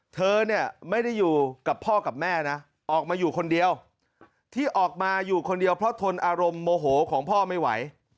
เธอเนี่ยไม่ได้อยู่กับพ่อกับแม่นะออกมาอยู่คนเดียวที่ออกมาอยู่คนเดียวเพราะทนอารมณ์โมโหของพ่อไม่ไหว